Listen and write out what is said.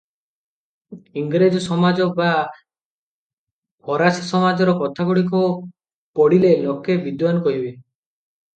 ଇଂରେଜ ସମାଜ ବା ଫରାସୀସମାଜର କଥାଗୁଡ଼ିକ ପଢ଼ିଲେ ଲୋକେ ବିଦ୍ୱାନ୍ କହିବେ ।